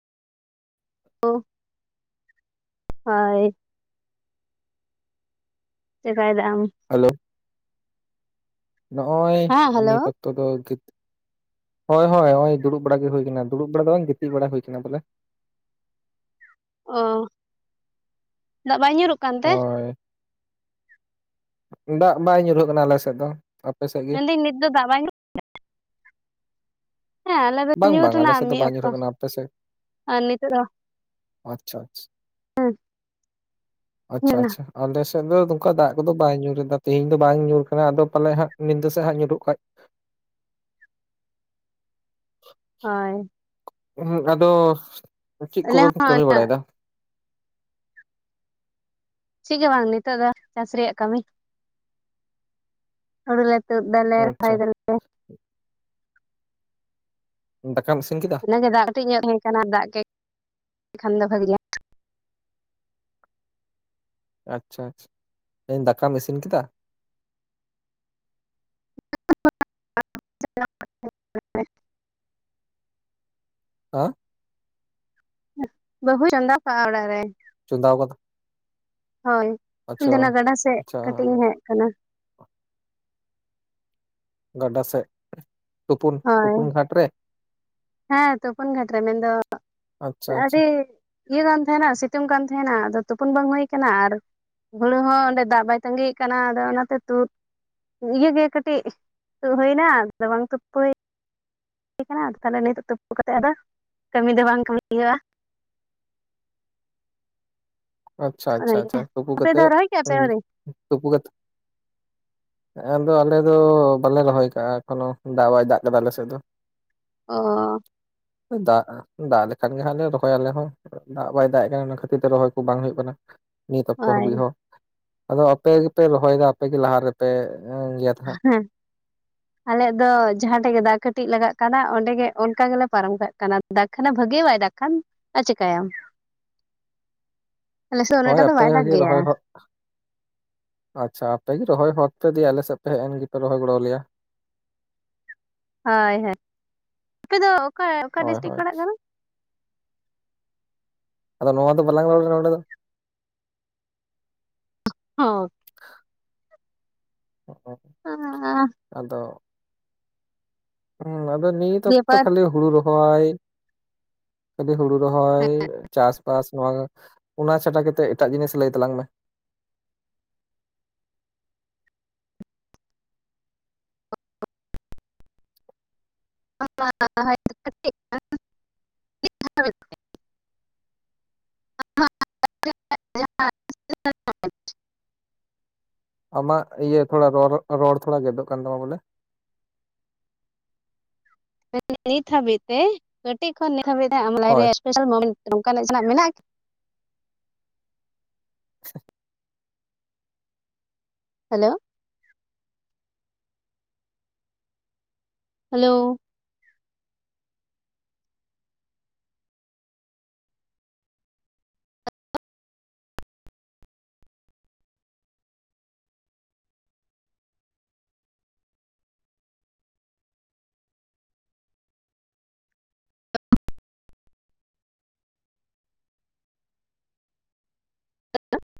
ᱦᱳᱭ ᱪᱮᱠᱟᱭᱫᱟᱢ ᱦᱮᱞᱳ ᱱᱚᱜᱚᱭ ᱦᱮᱸ ᱦᱮᱞᱳ ᱱᱤᱛᱚᱜ [inaudible] ᱦᱳᱭ ᱦᱳᱭ ᱫᱩᱲᱩᱵ ᱵᱟᱲᱟ ᱜᱮ ᱦᱩᱭ ᱠᱟᱱᱟ ᱫᱩᱲᱩᱵ ᱵᱟᱲᱟ ᱫᱚ ᱵᱟᱝ ᱜᱤᱛᱤᱡ ᱵᱟᱲᱟ ᱦᱩᱭ ᱠᱟᱱᱟ ᱵᱚᱞᱮ ᱚ ᱫᱟᱜ ᱵᱟᱝ ᱧᱩᱨᱩᱜ ᱠᱟᱱ ᱛᱮ? ᱦᱳᱭ ᱫᱟᱜ ᱵᱟᱭ ᱧᱩᱨᱦᱟᱹᱜ ᱠᱟᱱᱟ ᱟᱞᱮᱥᱮᱫ ᱫᱚ᱾ ᱟᱯᱮ ᱥᱮᱫ ᱜᱮ ᱢᱮᱱᱫᱟᱹᱧ ᱱᱤᱛ ᱫᱚ ᱫᱟᱜ ᱵᱟᱭ [inaudible] ᱦᱮᱸ ᱟᱞᱮ ᱫᱚ ᱵᱟᱝ ᱵᱟᱝ ᱟᱞᱮ ᱧᱩᱨᱱᱟ ᱥᱮᱫ ᱫᱚ ᱢᱤᱫ ᱵᱟᱭ ᱚᱠᱛᱚ ᱧᱩᱨᱦᱟᱹᱜ ᱠᱟᱱᱟ ᱟᱯᱮ ᱥᱮᱫ ᱟᱨ ᱱᱤᱛ ᱫᱚ ᱟᱪᱪᱷᱟ ᱟᱪᱪᱷᱟ [unintelligible] ᱧᱩᱨ ᱟᱪᱪᱷᱟ ᱮᱱᱟ ᱟᱪᱪᱷᱟ ᱟᱞᱮᱥᱮᱫ ᱫᱚ ᱱᱚᱝᱠᱟ ᱫᱟᱜ ᱠᱚᱫᱚ ᱵᱟᱭ ᱧᱩᱨᱮᱫᱟ ᱛᱤᱦᱤᱧ ᱫᱚ ᱵᱟᱝ ᱧᱩᱨ ᱠᱟᱱᱟ ᱟᱫᱚ ᱯᱟᱞᱮ ᱦᱟᱸᱜ ᱧᱤᱫᱟᱹ ᱥᱮᱫ ᱦᱟᱸᱜ ᱧᱩᱨᱦᱩᱜ ᱠᱷᱟᱡ᱾ ᱦᱳᱭ ᱟᱫᱚ ᱪᱮᱫ ᱟᱞᱮ ᱠᱚᱯᱮ ᱦᱚᱸ ᱠᱟᱹᱢᱤ ᱵᱟᱲᱟᱭᱫᱟ? ᱪᱮᱫ ᱜᱮ ᱵᱟᱝ ᱱᱤᱛᱚᱜ ᱫᱚ ᱪᱟᱥ ᱨᱮᱭᱟᱜ ᱠᱟᱹᱢᱤ᱾ ᱦᱩᱲᱩ ᱞᱮ ᱛᱩᱫ ᱫᱟᱞᱮ ᱨᱚᱦᱚᱭ‌ ᱟᱪᱪᱷᱟ ᱫᱟᱞᱮ᱾ ᱫᱟᱠᱟᱢ ᱤᱥᱤᱱ ᱠᱮᱫᱟ? ᱫᱟᱜ ᱠᱟᱹᱴᱤᱡ ᱧᱚᱜ ᱛᱟᱦᱮᱸ ᱠᱟᱱᱟ ᱫᱟᱜ ᱜᱮ ᱠᱷᱟᱱ ᱫᱚ ᱵᱷᱟᱹᱜᱤ ᱜᱮ᱾ ᱟᱪᱪᱷᱟ ᱟᱪᱪᱷᱟ, ᱢᱮᱱᱫᱟᱹᱧ ᱫᱟᱠᱟᱢ ᱤᱥᱤᱱ ᱠᱮᱫᱟ? [unintelligible] ᱵᱟᱹᱵᱩᱭ ᱪᱚᱸᱫᱟ ᱠᱟᱜ-ᱟ ᱚᱲᱟᱜ ᱨᱮ᱾ ᱪᱚᱸᱫᱟᱣ ᱠᱟᱫᱟ᱾ ᱦᱳᱭ, ᱤᱧ ᱟᱪᱪᱷᱟ ᱫᱚ ᱚᱱᱟ ᱜᱟᱰᱟ ᱥᱮᱫ ᱟᱪᱪᱷᱟ ᱠᱟᱹᱴᱤᱡ ᱤᱧ ᱦᱮᱡ ᱠᱟᱱᱟ᱾ ᱜᱟᱰᱟ ᱥᱮᱫ ᱛᱩᱯᱩᱱ, ᱦᱳᱭ ᱛᱩᱯᱩᱱ ᱜᱷᱟᱴ ᱨᱮ᱾ ᱦᱮᱸ ᱛᱳᱯᱳᱱ ᱜᱷᱟᱴ ᱨᱮ ᱢᱮᱱ ᱫᱚ ᱟᱪᱪᱷᱟ ᱟᱪᱪᱷᱟ ᱟᱹᱰᱤ ᱤᱭᱟᱹ ᱠᱟᱱ ᱛᱟᱦᱮᱱᱟ, ᱥᱤᱛᱩᱝ ᱠᱟᱱ ᱛᱟᱦᱮᱱᱟ ᱟᱫᱚ ᱛᱩᱯᱩᱱ ᱵᱟᱝ ᱦᱩᱭ ᱠᱟᱱᱟ ᱟᱨ ᱦᱩᱲᱩ ᱦᱚᱸ ᱚᱸᱰᱮ ᱫᱟᱜ ᱵᱟᱭ ᱛᱟᱜᱤᱭᱮ ᱠᱟᱱᱟ ᱟᱫᱚ ᱚᱱᱟ ᱛᱮ ᱛᱩᱫ- ᱤᱭᱟᱹ ᱜᱮ ᱠᱟᱹᱴᱤᱡ ᱛᱩᱫ ᱦᱩᱭᱱᱟ ᱞᱚᱜᱚᱱ ᱛᱩᱫ ᱛᱳᱯᱩᱭ [unintelligible] ᱠᱟᱱᱟ ᱟᱫᱚ ᱛᱟᱦᱞᱮ ᱱᱤᱛᱩᱜ ᱛᱩᱯᱩ ᱠᱟᱛᱮ ᱟᱫᱚ ᱠᱟᱹᱢᱤ ᱫᱚ ᱵᱟᱝ ᱠᱟᱹᱢᱤ ᱦᱩᱭᱩᱜ-ᱟ᱾ ᱟᱪᱪᱷᱟ ᱟᱪᱪᱷᱟ ᱚᱱᱟᱜᱮ ᱟᱪᱪᱷᱟ, ᱛᱩᱯᱩ ᱟᱯᱮ ᱫᱚ ᱠᱟᱛᱮᱜ ᱨᱚᱦᱚᱭ ᱠᱮᱜᱼᱟ ᱯᱮ ᱟᱹᱣᱨᱤ ᱛᱩᱯᱩ ᱠᱟᱛᱮ᱾ ᱟᱫᱚ ᱟᱞᱮ ᱫᱚ ᱵᱟᱞᱮ ᱨᱚᱦᱚᱭ ᱠᱟᱜ-ᱟ ᱮᱠᱷᱚᱱᱚ ᱫᱟᱜ ᱵᱟᱭ ᱫᱟᱜ ᱠᱟᱫᱟ ᱟᱞᱮ ᱥᱮᱫ ᱫᱚ᱾ ᱚ ᱫᱟᱜ ᱫᱟᱜ ᱞᱮᱠᱷᱟᱱ ᱜᱮ ᱦᱟᱸᱜ ᱞᱮ ᱨᱚᱦᱚᱭ ᱟᱞᱮ ᱦᱚᱸ ᱫᱟᱜ ᱵᱟᱭ ᱫᱟᱜ ᱮᱜ ᱠᱟᱱᱟ ᱚᱱᱟ ᱠᱷᱟᱹᱛᱤᱨ ᱛᱮ ᱨᱚᱦᱚᱭ ᱠᱚ ᱵᱟᱝ ᱦᱩᱭᱩᱜ ᱠᱟᱱᱟ᱾ ᱱᱤᱛ ᱚᱠᱛᱚ ᱦᱳᱭ ᱦᱟᱹᱵᱤᱡ ᱦᱚᱸ, ᱟᱫᱚ ᱟᱯᱮ ᱜᱮᱯᱮ ᱨᱚᱦᱚᱭᱫᱟ ᱟᱯᱮ ᱜᱮ ᱞᱟᱦᱟ ᱨᱮᱯᱮ ᱜᱮᱫ ᱦᱟᱸᱜ ᱦᱮᱸ ᱟᱞᱮᱭᱟᱜ ᱫᱚ ᱡᱟᱦᱟᱸ ᱴᱷᱮᱡ ᱜᱮ ᱫᱟᱜ ᱠᱟᱹᱴᱤᱡ ᱞᱟᱜᱟᱜ ᱠᱟᱱᱟ ᱚᱸᱰᱮ ᱜᱮ ᱚᱱᱠᱟ ᱜᱮᱞᱮ ᱯᱟᱨᱚᱢ ᱠᱟᱜ ᱠᱟᱱᱟ᱾ ᱫᱟᱜ ᱠᱷᱟᱱᱮ ᱵᱷᱟᱹᱜᱮ ᱵᱟᱭ ᱫᱟᱜ ᱠᱷᱟᱱ ᱟᱨ ᱪᱤᱠᱟᱭ ᱟᱢ᱾ ᱟᱞᱮ ᱥᱮᱫ ᱫᱚ ᱩᱱᱟᱹᱜ ᱦᱳᱭ ᱮᱠᱴᱟ ᱫᱚ ᱟᱯᱮ ᱵᱟᱭ ᱫᱟᱜ ᱜᱮ ᱜᱮᱭᱟ᱾ ᱨᱚᱦᱚᱭ ᱦᱚᱸ ᱟᱪᱪᱷᱟ ᱟᱯᱮ ᱜᱤ ᱨᱚᱦᱚᱭ ᱦᱚᱫ ᱯᱮ ᱫᱤᱭᱮ ᱟᱞᱮ ᱥᱮᱫ ᱯᱮ ᱦᱮᱡ ᱮᱱ ᱜᱤᱯᱮ ᱨᱚᱦᱚᱭ ᱜᱚᱲᱚᱣᱟ ᱞᱮᱭᱟ᱾ ᱦᱚᱭ ᱦᱚᱭ, ᱟᱯᱮ ᱫᱚ ᱚᱠᱟ ᱚᱠᱟ ᱦᱳᱭ ᱰᱤᱥᱴᱤᱠ ᱦᱳᱭ ᱯᱟᱲᱟᱜ ᱠᱟᱱᱟ? ᱟᱫᱚ ᱱᱚᱣᱟ ᱫᱚ ᱵᱟᱞᱟᱝ ᱮᱢᱟᱢ ᱠᱟᱱᱟ ᱱᱚᱸᱰᱮ ᱫᱚ᱾ [unintelligible] [unintelligible] ᱟᱸᱻ ᱟᱫᱚ ᱦᱩᱸ ᱟᱫᱚ ᱱᱤᱛ ᱫᱤᱭᱮ ᱚᱠᱛᱚ ᱯᱚᱨ ᱠᱷᱟᱹᱞᱤ ᱦᱩᱲᱩ ᱨᱚᱦᱚᱭ᱾ ᱠᱷᱟᱹᱞᱤ ᱦᱩᱲᱩ ᱨᱚᱦᱚᱭ ᱪᱟᱥ-ᱵᱟᱥ ᱱᱚᱣᱟ ᱚᱱᱟ ᱪᱷᱟᱰᱟ ᱠᱟᱛᱮᱫ ᱮᱴᱟᱜ ᱡᱤᱱᱤᱥ ᱞᱟᱹᱭ ᱛᱟᱞᱟᱝ ᱢᱮ᱾ [inaudible] [inaudible] ᱟᱢᱟᱜ ᱤᱭᱟᱹ ᱛᱷᱚᱲᱟ ᱨᱚᱲ ᱨᱚᱲ ᱛᱷᱚᱲᱟ ᱜᱮᱫᱚᱜ ᱠᱟᱱ ᱛᱟᱢᱟ ᱵᱚᱞᱮ᱾ ᱱᱤᱛ ᱦᱟᱹᱵᱤᱡ ᱛᱮ ᱠᱟᱹᱴᱤᱡ ᱠᱷᱚᱱ ᱱᱤᱛ ᱦᱟᱹᱵᱤᱡ ᱛᱮ ᱟᱢ ᱞᱟᱭᱤᱯᱷ ᱦᱳᱭ ᱨᱮ ᱥᱯᱮᱥᱟᱞ ᱢᱩᱢᱮᱱᱴ ᱱᱚᱝᱠᱟ ᱱᱟᱜ ᱡᱟᱦᱟᱸ ᱱᱟᱜ ᱢᱮᱱᱟᱜ-ᱟ? [inaudible] Hello, hello,